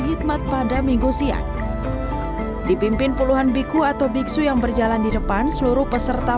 hikmat pada minggu siang dipimpin puluhan biku atau biksu yang berjalan di depan seluruh peserta